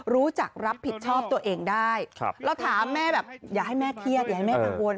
รู้จักรับผิดชอบตัวเองได้เราถามแม่แบบอย่าให้แม่เครียดอย่าให้แม่กังวล